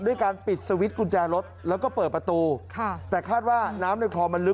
ด้วยการเปลี่ยนสวิตท์กุญแจรถแล้วก็เปิดประตู